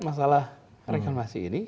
masalah rekanomasi ini